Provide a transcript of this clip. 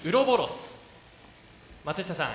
松下さん